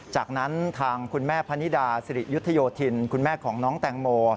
จากนั้นทางคุณแม่พนิดาสิริยุทธโยธินคุณแม่ของน้องแตงโม